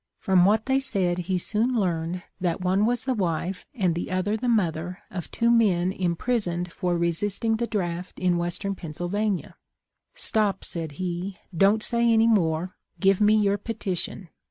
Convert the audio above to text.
From what they said he soon learned that one was the wife and the other the mother of two men imprisoned for resisting the draft in western Penn sylvania. ' Stop,' said he, ' don't say any more. Give me your petition.'